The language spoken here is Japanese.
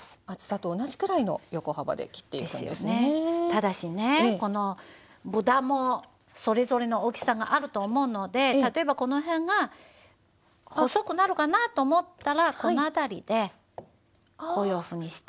ただしねこの豚もそれぞれの大きさがあると思うので例えばこの辺が細くなるかなと思ったらこの辺りでこういうふうにして。